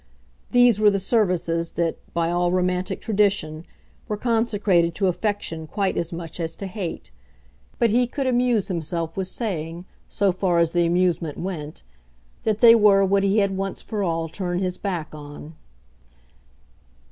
These were the services that, by all romantic tradition, were consecrated to affection quite as much as to hate. But he could amuse himself with saying so far as the amusement went that they were what he had once for all turned his back on.